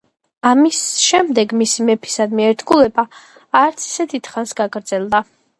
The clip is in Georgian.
ამის შემდეგ მისი მეფისადმი ერთგულება არც ისე დიდხანს გაგრძელდა.